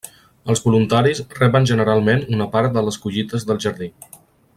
Els voluntaris reben generalment una part de les collites del jardí.